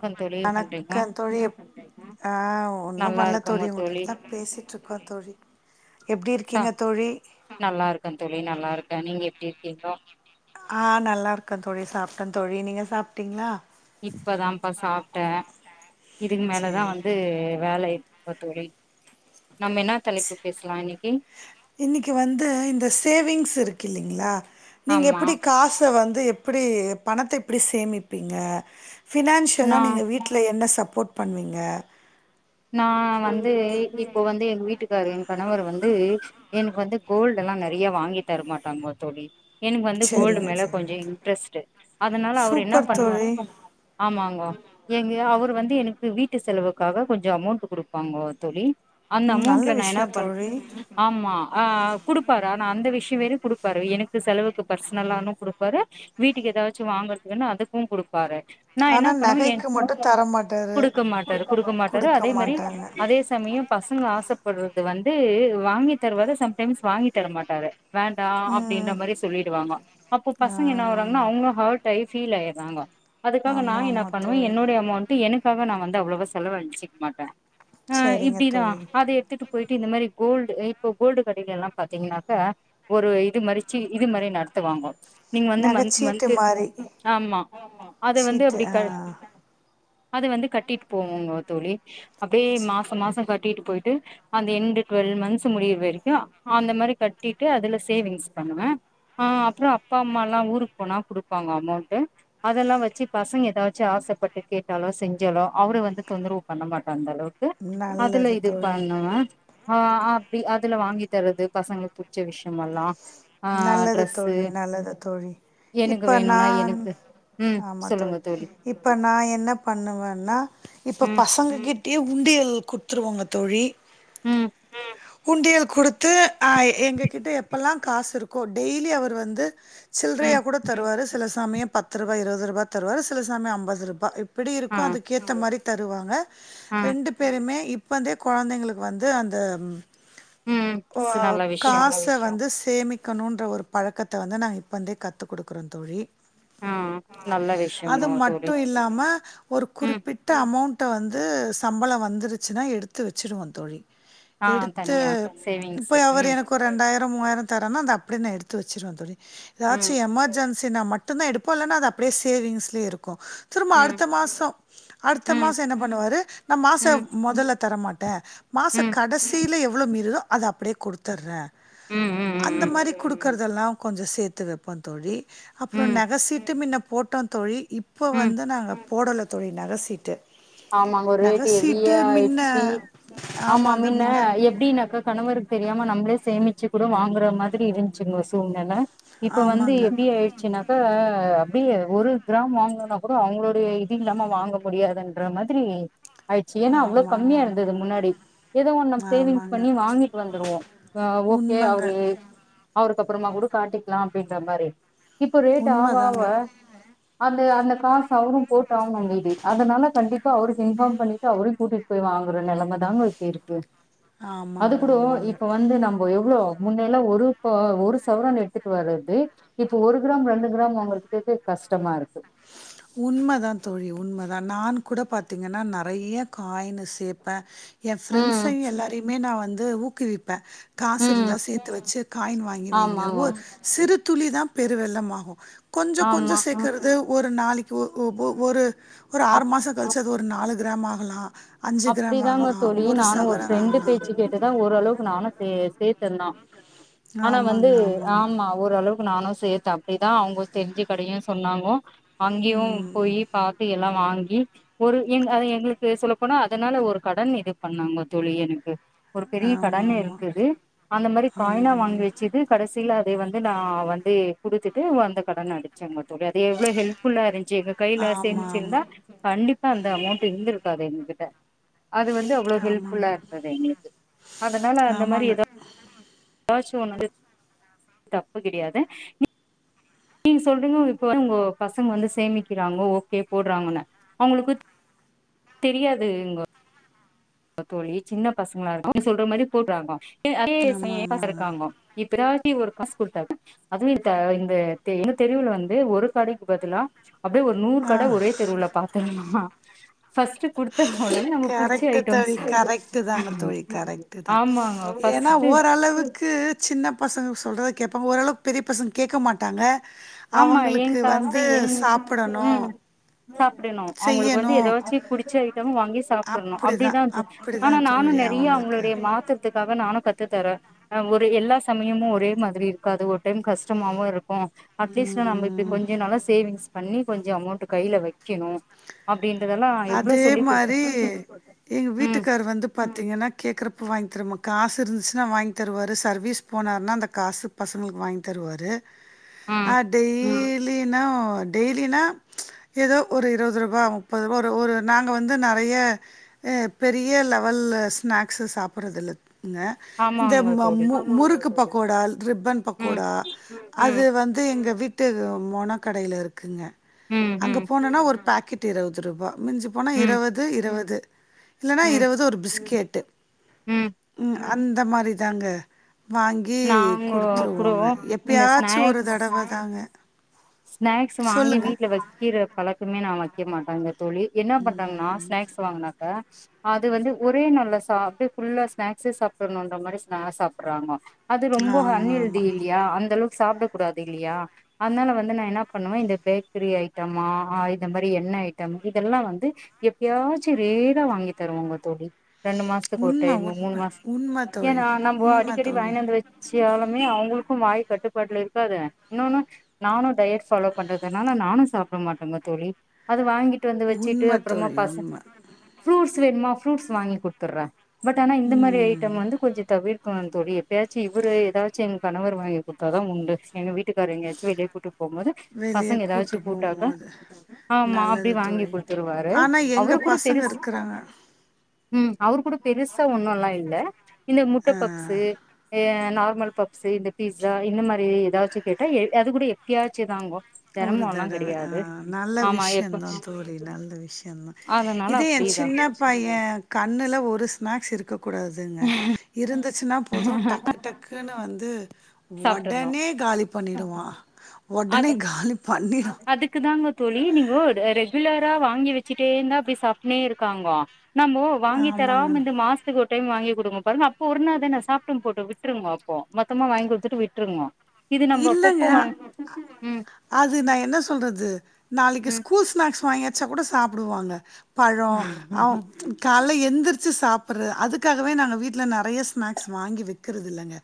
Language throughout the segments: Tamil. க்கம் தோழி பண்றீங்க வணக்கம் தோழி எப்டி ஆ ஒன்னு நல்லா பண்ல இருக்கங்க தோழி உங்ககிட்தா பேசிட்ருக்கோ தோழி எப்டி இருக்கிங்க தோழி நல்லாருக்க தோழி நல்லாருக்கே நீங்க எப்டி இருக்கிங்கோ ஆ நல்லாருக்க தோழி சாப்ட்ட தோழி நீங்க சாப்ட்டிங்ளா இப்பதாம்ப்பா சாப்ட்ட இதுக்கு மேலதா சேரி வந்து வேலை தோழி நம்ம என்னா தலைப்பு பேசலா இன்னிக்கி இன்னிக்கி வந்து இந்த சேவிங்ஸ் இருக்கு இல்லைங்ளா நீங்க ஆமா எப்படி காச வந்து எப்புடி பணத்த எப்புடி சேமிப்பிங்க ஃபினான்ஷியலா நா நீங்க வீட்ல என்ன சப்போட் பண்விங்க நா வந்து இப்ப வந்து எங் வீட்டுக்காரு என் கணவர் வந்து எனக்கு வந்து கோல்டெல்லா நறையா வாங்கி தரமாட்டாங்கோ தோழி எனக்கு வந்து கோல்டு சேரிங்க மேல சேரிங்க கொஞ்ச தோழி, இன்ட்ரெஸ்ட்டு அதுனால அவரு என்ன சூப்பர் பண்ணுவா தோழி ஆமாங்கோ எங்க அவரு வந்து எனக்கு வீட்டு செலவுக்காக கொஞ்ச அமௌண்ட் குடுப்பாங்கோ தோழி அந்த ம் நல்ல அமௌண்ட்ல நா என்ன விஷயோ பண் தோழி ஆமா ஆ குடுப்பாரு ஆனா அந்த விஷய வேறு குடுப்பாரு எனக்கு செலவுக்கு பர்சனலான்னு குடுப்பாரு வீட்டுக்கு எதாச்சு வாங்கறதுக்குனு அதுக்கு குடுப்பாரு நா என்ன ஆனா பண்ணுவே எ நகைக்கு மட்டும் தரமாட்டாரு குடுக்க மாட்டாரு குடுக்க மாட்டாங்க மாட்டாரு அதே மாரி மாட்டாங்க அதே சமய பசங்க ஆசப்பட்றது வந்து வாங்கி தருவாரு சம்டைம்ஸ் வாங்கி தரமாட்டாரு வேண்டா அப்டின்ற ம் மாரி சொல்லிடுவாங்கோ அப்போ ஆ பசங்க என்னாவராங்னா அவுங்க ஹர்ட் ஆயி ஃபீல் ஆயர்றாங்கோ அதுக்காக நா ஆமா என்ன ஆமா பண்ணுவ தோழி என்னுடைய அமௌண்ட் டு எனக்காக நா வந்து அவ்வளவா செலவழிச்சிக்க மாட்ட ஆ சரிங்க இப்டிதா தோழி அது எடுத்துட்டு போயிட்டு இந்த மாரி கோல்டு இப்போ கோல்டு கடைங்கெல்லா பாத்திங்னாக்க ஒரு இது மாரி சீ இது மாரி நடத்துவாங்கோ நீங்க வந்து மன்த் நகைச்சீட்டு மன்த்து மாரி ஆமா அத வந்து சீட்டு அப்டியே ஆ க அது வந்து கட்டிட்டு போவோங்கோ தோழி அப்டியே சி- மாச மாச கட்டிட்டு போ ய்ட்டு அந்த என்டு ட்வெல் மன்த்ஸ் முடியுற வரைக்கு அந்த மாரி கட்டிட்டு அதுல சேவிங்ஸ் பண்ணுவ ஆ அப்பற அப்பா அம்மாலா ஊருக்கு போனா குடுப்பாங்க அமௌண்ட்டு அதெல்லா வெச்சு பசங்க எதாச்சு ஆசப்பட்டு கேட்டாலோ செஞ்சாலோ அவரு வந்து தொந்தரவு பண்ண மாட்ட அந்த அளவுக்கு அதுல நல்லது இது தோழி பண்ணுவ ஆ ஆ அப்டி அதுல வாங்கி தரது பசங்களுக்கு புடிச்ச விஷயமல்லா நல்லது தோழி நல்லது தோழி எனக்கு இப்ப வேணுனா நான் எனக்கு ம் ஆமா தோழி சொல்லுங்க இப்ப நா என்ன பண்ணுவன்னா இப்ப ம் பசங்க கிட் யு உண்டியல் குடுத்துருவாங்க தோழி ம் உண்டியல் குடுத்து அ எங்க கிட்ட எப்பல்லா காசு இருக்கோ டெய்லி அவர் வந்து சில்றையா ம் கூட தருவாரு சில சமய பத்துருவா இருவதுருவா தருவாரு சில சமய அம்பதுருபா எப்படி ஆ இருக்கோ அதுக்கேத்த மாரி தருவாங்க ஆ ரெண்டு பேருமே இப் பந்தே கொழந்தைங்களுக்கு வந்து அந்த ம் அ ஸ் நல்ல விஷ்யோ காச வந்து சேமிக்கணுன்ற ஒரு பழக்கத்த வந்து நாங்க இப்பந்தே கத்து குடுக்குறோ தோழி ஆ நல்ல அத விஷ்யங்கோ தோழி மட்டு இல்லாம ஒரு ம் குறிப்பிட் ட அமௌண்ட்ட வந்து சம்பள வந்துருச்சுனா எடுத்து வெச்சுருவோ தோழி ஆ எடுத்து தனியா இப்ப சேவிங்ஸு அவர் ம் எனக்கு இப்ப ரெண்டாயிர மூவாயிர தரான்ன அத அப்டே நா எடுத்து வெச்சிருவ தோழி எதாச்சு ம் எமர்ஜென்சினா மட் டுந்தா எடுப்போ இல்லன்னா அது அப்டியே சேவிங்ஸ்லயே இருக்கு திரும்ப ம் அடுத்த மாச அடுத்த ம் மாச என்ன பண்ணுவாரு நா மாச ம் மொதல்ல தரமாட்டே மாச ம் கடசில எவ்ளோ மீறுதோ அத அப்டியே குடுத்தர்ற ம் ம் ம் அந்த ம் மாரி குடுக்குறதெல்லா கொஞ்சொ சேத்து வெப்பந் தோழி அப்றொ ம் நெகசீட்டு மின்ன போட்டோ தோழி இப்போ ம் வந்து நாங்க போடல தோழி நகசீட்டு ஆமாங்க ரேட்டு ஹெவியாயிட்ச்சி மின்ன ஆமா மின்ன எப் எப்டின்னாக்கா கணவருக்கு தெரியாம நம்ப்ளே சேமிச்சு கூட வாங்குற மாதிரி இருந்ச்சுங்க சூழ்நெல இப்ப வந்து ஆமாங்க எப்டி ஆயிர்ச் சினாக்கா அப்டியே ஒரு கிராம் வாங்னுனா கூட அவுங்ளுடைய இது இல்லாம வாங்க முடியாதுன் ற மாதிரி ஆய்ர்ச்சு ஏன்னா அவ்ளோ ஆமாங்க கம்மியா இருந்தது ஆமாங்க முன்னாடி ஏதோ ஒன்னு நம் சேவிங்ஸ் ஆமாங்க பண்ணி வாங்கிட்டு வந்துருவோ அ ஓகே உண்மங்க அவரு அவருக்கு அப்பறமா கூட காட்டிக்லா அப்டின்ற மாரி இப்ப ரேட் ஆவ ஆவ உண்மதாங்க அது அந்த காசு அவுரு போட்டு ஆகுணு மீதி அதுனால கண்டிப்பா அவருக்கு இன்ஃபாம் பண்ணிட்டு அவரயு கூட்டிட்டு போய் வாங்குற நெலம தாங்க இப்ப இருக்கு அது ஆமாங்க கூடொ ஆமாங்க இப்ப வந்து நம்பொ எவ்ளோ முன்னெல்லா ஒரு ப ஒரு சவரன் எடுத்துட்டு வரது இப்ப ஒரு கிராம் ரெண்டு கிராம் வாங்கறதுக்கேதெ கஷ்டமா இருக்கு உண்மதா தோழி உண்மதான் நான் கூட பாத்திங்கன்னா நெறைய காய்னு சேப்பே எ ம் ஃப்ரெண்ட்ஸையு எல்லாரையுமே நா வந்து ஊக்குவிப்பே காசு ம் இருந்தா சேத்து வச்சு காயின் வாங்கி வைங்க ஆமாங்க ஊர் சிறு துளி தா பெருவெள்ளமாகு கொஞ்சொ கொஞ்சொ ஆமா சேக்கறது ஒரு நாளை [unintelligible] ஒரு ஒரு ஆறு அப் மாச கழுச்சு அது ஒரு நாலு கிராம் ஆகலா அப்டிதாங்க தோழி நானு ஒரு ஃப்ரெண்டு ஆகலாம். பேச்சு கேட்டுதா ஓரளவுக்கு நானு சே சேத்தந்தா ஆனா வந்து ஆமாங்க, ஆமாங்க. ஆமா ஓரளவுக்கு நானு சேர்த்தே அப்டிதா அவுங்க தெரிஞ்சு கடையு சொன்னாங்கொ அங்கெயு ம். போயி பாத்து எல்லா வாங்கி ஒரு எ எங்களுக்கு சொல்ல போனா அதனால ஒரு கடன் இது பண்ணாங்க தோழி எனக்கு ஒரு பெரிய கடனே ஆமாமா. இருந்தது அந்த மாரி காய்னா வாங்கி ஆமாமாங்க. வச்சுது கடசில அதே வந்து நா வந்து குடுத்துட்டு வந்த கடன அடச்சேங்க தோழி அது எவ்ளோ ஹெல்ஃபுல்லா இருந்ச்சு எங்க கைல ஆமா, ஆமா. சேமிச்சிருந்தா கண்டிப்பா அந்த அமௌண்ட் இருந்திருக்காது என்க்கு அது வந்து அவ்ளோ ஹெல்ப்ஃபுல்லா ஆமாங்க. இருந்தது எங்ளுக்கு அதனால அந்த மாரி ஏதா [inaudible] எதாச்சு ஒன்னு [unintelligible] தப்பு கிடயாது இப் நீங்க சொல்றீங்கொ இப்ப உங்கொ பசங்க வந்து சேமிக்கிறாங்க ஓகே போட்றாங்கன்னு அவுங்களுக்கு தெரியாது இங்கொ தோழி சின்ன பசங்களா [unintelligible] சொல்ற மாரி போட்றாங்க அதே [inaudible] ஆமா ஆமாங்க [inaudible] அதுவு [inaudible] இந்த தெருவுல வந்து ஒரு கடைக்கு பதிலா அப்டியே ஒரு நூறு ஆ கட ஒரே தெருவுல பாத்தே நா ஃபஸ்ட்டு குடுத்த ஒடனே நம்ம புடுச்சி [unintelligible] [unintelligible] கரெக்ட்டு தாங்க தோழி கரெக்ட்டு தா ஆமாங்க தோழி ஏன்னா ஃபர்ஸ்ட் ஒர ரளவுக்கு சின்ன பசங்க சொல்றத கேப்பாங்க ஓரளவுக்கு பெரிய பசங்க கேட்க மாட்டாங்க ஆமா ஏ அவங்களுக்கு காசு வந்து ஏ சாப்பிடணு ம் சாப்டணு அவுங்களுக்கு வந்து செய்யணு எதாச்சு புடுச்ச [unintelligible] வாங்கி சாப்ட்ருர்ணு அப்படிதான் அப்டிதா தோ ஆனா அப்படிதான் நானு தோழி நெறைய அவங்களுக்கு அவங்களுடைய மா த்தத்துக்காக நானு கத்து தரே அ ஒரு எல்லா சமயமு ஒரே மாதிரி இருக்காது ஒரு டைம் கஷ்டமாவு இருக்கு அட்லீஸ்ட்ல நம்ப இப்டி ம் கொஞ்ச நாளா சேவிங்ஸு பண்ணி கொஞ்ச அமௌண்ட்டு கைல வெக்கணு அப்டின்றதெல்லா அதே மாரி எங்க ம் வீட்டுக்காரு வந்து பாத்திங்கனா கேக்குறப்ப வாங்கி தரமா காசு இருந்துச்சுனா வாங்கி தருவாரு சர்வீஸ் போனாருனா அந்த காசுக் பசங்களுக்கு வாங்கி தருவாரு ஆ ம் டெய் லினா டெய்லினா எதோ ஒரு இருவது ரூபா முப்பது ரூபா ஒர் ந்த ஒரு நாங்க வந்து நெறைய அ பெரிய லெவல்ல ஸ்நாக்ஸு சாப்பிட்றதில்ல இவ்ங்க இந்த ஆமாங்க ம தோழி மு முறுக்கு பக்கோடா ரிப்பன் ம் பக்கோடா அது ம் வந்து எங்க வீட் ட்டு மொனக் கடைல இருக்குங்க ம் அங்க ம் போனனா ஒரு பாக்கெட் இருவது ரூபா மிஞ்சிப் போனா ம் இருவது இருவது இல்லனா ம் இருவது ஒரு பிஸ்கேட்டு ம் அந்த மாரி தாங்க வாங்கி நாங்க கூடோ குடுத்துருவோங்க இந்த எப்பயாச்சு ஒரு ஸ்நாக்ஸ் தடவ தாங்க ஸ்நாக்ஸ் வாங்கி சொல்லுங்க வீட்ல வக்கிற பழக்கமே நா வக்கெ மாட்டேங்க தோழி என்ன பண்றாங்கனா ஸ்நாக்ஸ் வாங்குனாக்கா அது வந்து ஒரே நாள்ல சாப்ட்டு ஃபுல்லா ஸ்நாக்ஸே சாப்டணுன்ற மாரி ஸ்நா சாப்புட்றாங்க அது ரொம்ப அன் ஆமா ஹெல்தி ஆமா இல்லையா அந்த அளவுக்கு சாப்டக் கூடாது இல்லையா அதனால வந் ந்து நா என்ன பண்ணுவே இந்த பேக்ரி ஐட்டமா இந்த மாரி எண்ணெ ஐட்டம் இதெல்லா வந்து எப்பயாச்சு ரேரா வாங்கி தருவாங்க தோழி ரெண்டு மாசத்துக்கு ஒரு உண்ம டைமு மூணு உண்ம மாச உண்ம தோழி ஏனா நம்ப உண்ம அடிக்கடி தோழி வாங்கினு வந்து வெச் சியாலுமே அவ்ங்களுக்கு வாய் கட்டுப்பாட்ல இருக்காது இன்னொன்னு நானு டயட் ஃபாலோ பண்றதுனால நானு சாப்ட மாட்டேங்க தோழி அத வாங்கிட் ட்டு வந்து வெச்சிட்டு உண்ம அப்பறமா தோழி பசங் உண்ம ஃப்ரூட்ஸ் வேணுமா ஃப்ரூட்ஸ் வாங்கி குட்த்துர்றே பட் ஆனா இந்த மாரி ஐட் ம் டம் வந்து கொஞ்ச தவிர்க்கனு தோழி எப்பயாச்சு இவரு எதாச்சு எங் கணவர் வாங்கி குடுத்தாதா உண்டு எங்க வீட்டுக்காரு எங்கயாச்சு வெளிய கூட்டு போம் போது வெளிய கூட்டு போகுமோது ஆமா அப்டி நல்லது வாங்கி தோழி குடுத்துருவாரு ஆனா எங்க அவரு கூட பசங்க பெருசு இருக் க்குறாங்க ம் அவரு கூட பெருசா ஒன்னுலா இல்ல இந்த முட்ட ஆ பப்ஸு ஏ நார்மல் பப்ஸு இந்த பீஸா இந்த மாரி எதாச்சு கேட்டா எ அது கூட எப்பயாச்சுதாங்கோ ஒரு தடவ ஆ நல்ல ஆமா எப்ப விஷ்யந்தா தோழி நல்ல விஷ்யந்தா அதனால இதே எ அப்டிதா சின்ன பைய கண்ணுல ஒரு ஸ்நாக்ஸ் இருக்கக் கூடாதுங்க இருந்துச்சுனா போது டக்கு டக் க்குனு வந்து சாப்ட்றணு ஒடனே காலி பண்ணிடுவா ஆச ஒடனே காலி பண்ணிடு அதுக்கு தாங்க தோழி நீங்கோ அ ரெகுலரா வாங்கி வச்சுட்டே இருந்தா அப்டியே சாப்ட்டுனே இருக்காங்க நம்மோ வாங்கி தராம ஆமாங்க இந்த மாஸ் த்துக்கு ஒரு டைம் வாங்கி குடுங்க பாருங்க அப்ப ஒரு நாள் தான சாப்ட்டு போட்டு விட்ருங்கோ அப்போ மொத்தமா வாங்கி குடுத்துட்டு விட்ருங்கோ இது நம்ப இல்லங்க. அப்பப்ப வாங் அது நா என்ன சொல்றது நாளைக்கு ம் ஸ்கூல் ஸ்நாக்ஸ் வாங்கி கெட்ச்சா கூட சாப்பிடுவாங்க பழோ அவ்ங் கால்ல எந்திரிச்சு சாப்பிட்ற அதுக்காகவே நானு வீட்ல நெறைய ஸ்நாக்ஸ் வாங்கி வெக்கிறது இல்லங்க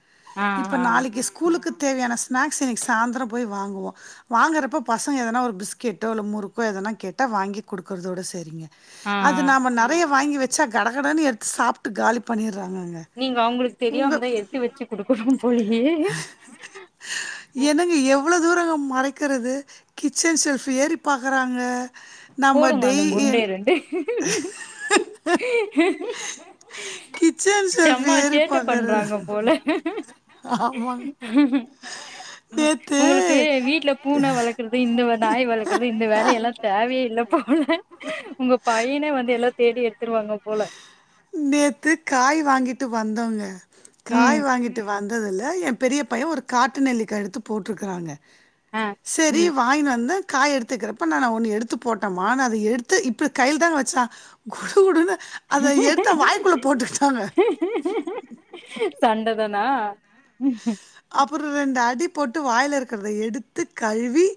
ஆ இப்ப ஆ நாளைக்கு ஸ்கூலுக்கு தேவையான ஸ்நாக்ஸ் இன்னைக்கு சாந்தர போய் வாங்குவோ வாங்குறப்ப பசங்க எதனா ஒரு பிஸ்கெட்டோ இல்ல முறுக்கோ எதனா கேட்டா வாங்கி குடுக்குறதோட சேரி ஆ அது ஆ நாம நெறைய வாங்கி வச்சா கடகடன்னு எடுத்து சாப்ட்டு காலி பண்ணிடுறாங்கங்க நீங்க அவுங்களுக்கு தெரியாமதா எடுத்து வச்சு குடுக்கணு போலயே என்னங்க எவ்வளோ தூரங்க மறைக்கிறது கிச்சன் ஷெல்ஃப் ஏறி பாக்கறாங்க போடுங்க அந்த குண்டே ரெண்டு கிச்சன் ஷெல்ஃப் செம ஏறி சேட்ட பாக்குறது பண்றாங்க போல ஆமாங்க நேத்து உங்களுக்கு வீட்ல பூன வளக் குறது இந்த நாய் வளக்குறது இந்த வேலையெல்லா தேவையே ல்ல போல உங்க பையனே வந்து எல்லா தேடி எடுத்துருவாங்க போல நேத்து காய் வாங்கிட்டு வந்தோங்க ம் காய் வாங்கிட்டு வந் த்துல என் பெரிய பைய ஒரு காட்டு நெல்லிக்கா எடுத்து போட்டிருக்குறாங்க ஆ செரி வாங்கினு வந்த காய் எடுத்துக்கிறப்ப நா ஒண்ணு எடுத்து போட்டேமான்னு அத எடுத்து இப்டி கையில தாங்க வச்சா குடு குடுனு [unintelligible] சண்டதனா அப்பறோ ரெண்டு அடி போட்டு வாயில இருக்கிறத எடுத்து கழுவி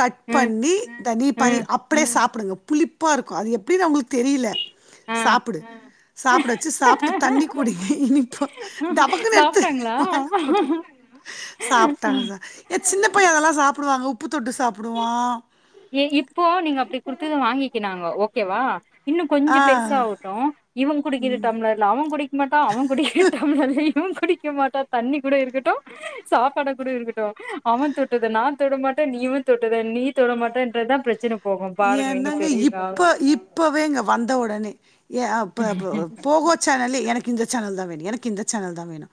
கட் ம் பண்ணி தனிப்பாதி ம் அப்டியே சாப்டுங்க புளிப்பா இருக்கு அது எப்டின்னு அவுங்களுக்கு தெரியில ம் சாப்புடு சாப்பிட வச்சு சாப்ட்டு தண்ணி ஆ கூடிக்கிணு இனிப்போ டபக்குன்னு எடுத்து சாப்ட்டாங்களா? வாய்ல போட்ட சாப்ட்டாங்க சா எ சின்ன பையே அதெல்லா சாப்புடுவாங்க உப்பு தொட்டு சாப்புடுவா ஏ இப்போ நீங்க அப்டி குடுத்து வாங்கிக்கினாங்க ஓகேவா இன்னு கொஞ்ச ஆ. பெருசாவுட்டு இவ குடிக்கிற டம்ளர்ல அவ குடிக்க மாட்டா அவ குடிக்கிற டம்ளர்ல இவ குடிக்க மாட்டா தண்ணி கூட இருக்கட்டு சாப்பாட கூட இருக்கட்டு அவ தொட்டது நா தொடமாட்டே நீ இவ தொட்டது நீ தொடமாட் டேன்றதா ப்ரச்சனப் என்னங்க இப்ப இப்பவேங்க வந்த ஒடனே ஏ அ ப்ப போ போகோ சேனலே எனக்கு இந்த சேனல் தா வேணு எனக்கு இந்த சேனல் தா வேணு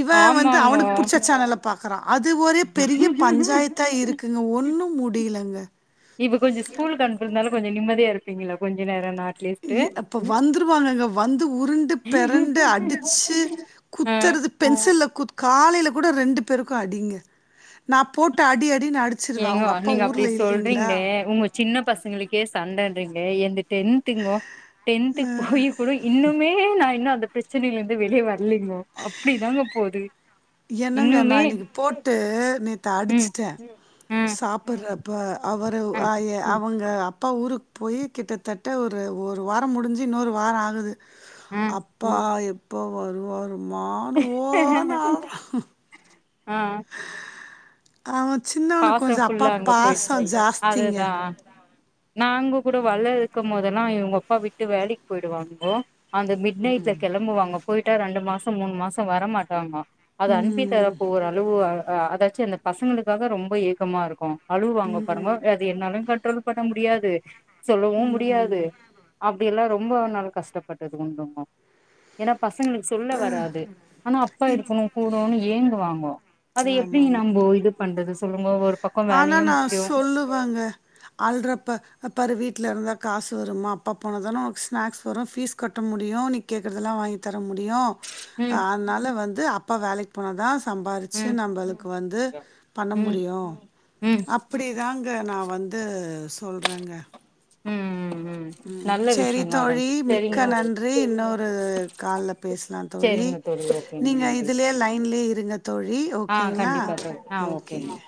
இவ வந்து ஆமாங்க அவுனுக்கு புடிச்ச சேனல்ல பாக்குறா அது ஒரே பெரிய பஞ்சாயத்தா இருக்குங்க ஒன்னு முடியலங்க இப்ப கொஞ்சோ ஸ்கூல்க்கு அனுப்புறதால கொஞ்சோ நிம்மதியா இருப்பங்களா கொஞ்ச நேரோனா இ அப்ப வந்துருவாங்க வந்து உருண்டு பெரண்டு அடிச்சு ஆ குத்துறது பென்சில குத் காலையில கூட ரெண்டு பேருக்கு அடிங்க நா போட்டு அடி அடினு அடி ஏங்கோ நீங்க அப்டி சொல்றீங்களே உங்க சின்ன பசங்களுக்கே சண்டைன்றிங்க என்து டென்த்துக்கோ டென்த்துக்கு போய் கூட இன்னுமே நா இன்னு அந்த ப்ரச்சனைல இருந்து வெளியே வரலைங்கோ அப்டிதாங்க போது என்னங்க நா இன்னுமே இன்னைக்கு போட்டு நேத்து ம் அடிச்சுட்டே ம் சாப்புட்றப்ப அவரு ம் வாய அவுங்க அப்பா ஊருக்கு போய் கிட்டத்தட்ட ஒரு ஒரு வாரோ முடிஞ்சு இன்னொரு வாரோ ஆகுது ம் அப்பா எப்ப வருவாரும்மானு ஓன்னு அழற ஹ ஆ அவ சின்ன பாச ஃபுல்லா அங்க போய்டுச்சு அதுதா நாங்க கூட வல்ல இருக்கு போதெல்லா இவங்க அப்பா விட்டு வேலைக்கு போய்டுவாங்கோ அந்த மிட் நைட்ல கெளம்புவாங்க போய்ட்டா ரெண்டு மாசோ மூணு மாசோ வர மாட்டாங்கோ அது அன்பி ம். தரப்போற அளவு அ அதாச்சு அந்த பசங்களுக்காக ரொம்ப ஏக்கமாருக்கு அழுவு வாங்க பாருங்க அது என்னாலியு கண்ட்ரோல் பண்ண முடியாது சொல்லவு முடியாது அப்டில்லா ரொம்ப நாள் கஷ்டப்பட்டது உண்டுங்கோ ஏன்னா பசங்களுக்கு சொல்ல வராது ஆனா அப்பா இப் இருக்கனுன்னு கூடனு ஏங்குவாங்கோ அது எப்டி ஆமாமா. நம்போ இது பண்றது சொல்லுங்கோ ஒரு பக்கோ ஆனா வேலையு நா முக்கியோ சொல்லுவேங்க ஆள்றப்ப அ பாரு வீட்ல இருந்தா காசு வருமா அப்பா போனா தானே உனக்கு ஸ்நாக்ஸ் வரு ஃபீஸ் கட்ட முடியு இனிக் கேக்கறதெல்லா வாங்கி தர முடியு ம் அதனால வந்து அப்பா வேலைக்கு போன தா சம்பாதித்து ம் நம்மளுக்கு வந்து பண்ண ம் முடியு ம் அப்டி தாங்க நா வந்து செல்லுரங்க ம் ம் ம் நல்ல செரி விஷயங்க அதா தோழி மிக்க சரிங்க நன்றி இன்னொரு காலில பேசலா தோழி சரிங்க ஓகேங்க நீங்க நன்றி இதுலயே லைன்லயே இருங்க தோழி ஆ ஓகேங்ளா கண்டிப்பா தோழி ஆ ஓகேங்க